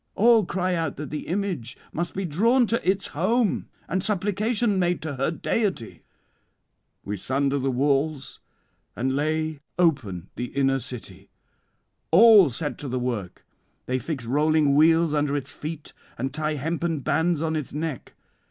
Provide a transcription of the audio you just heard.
All cry out that the image must be drawn to its home and supplication made to her deity. ... We sunder the walls, and lay open the inner city. All set to the work; they fix rolling wheels under its feet, and tie hempen bands on its neck.